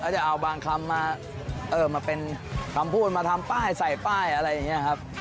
จะเอาบางคำมาเป็นคำพูดมาทำป้ายใส่ป้ายอะไรอย่างนี้ครับ